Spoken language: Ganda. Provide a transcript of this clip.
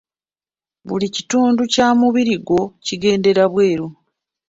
Buli kitundu kya mubiri gwo kigendera bwelu.